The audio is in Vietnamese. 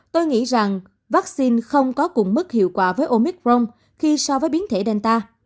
tôi nghĩ rằng vaccine không có cùng mức hiệu quả với omicron khi so với biến thể delta